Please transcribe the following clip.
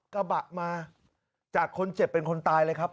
กระบะมาจากคนเจ็บเป็นคนตายเลยครับ